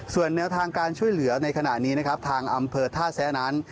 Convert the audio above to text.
ส่วนแนวทางการช่วยเหลือในขณะนี้นะครับทางอำเภอท่าแซะนั้น